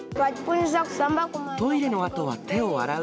トイレのあとは手を洗う。